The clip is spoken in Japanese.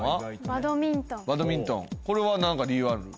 バドミントンバドミントンこれは何か理由ある？